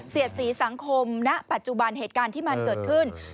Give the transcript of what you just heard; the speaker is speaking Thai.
สีสังคมณปัจจุบันเหตุการณ์ที่มันเกิดขึ้น